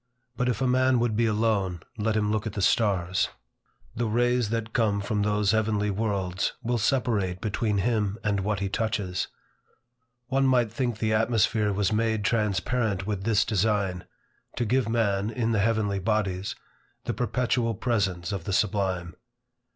But if a man would be alone, let him look at the stars. The rays that come from those heavenly worlds, will separate between him and what he touches. One might think the atmosphere was made transparent with this design, to give man, in the heavenly bodies, the perpetual presence of the sublime.